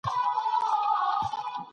دا هغه کتابتون دئ چي موږ پکي کار کوو.